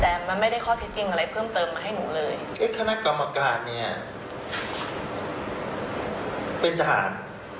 เอ๊ะคณะกรรมการเนี่ยเป็นทหาร